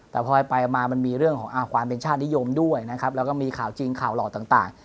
แต่พอไปมามันมีเรื่องของความเป็นชาตินิยมด้วยนะครับแล้วก็มีข่าวจริงข่าวหล่อต่าง